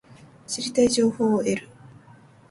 知りたい情報を得る